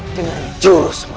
dengan jurusmu tuhan